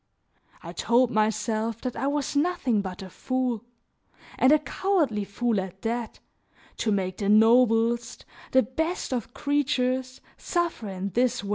I told myself that I was nothing but a fool, and a cowardly fool at that, to make the noblest, the best of creatures, suffer in this way.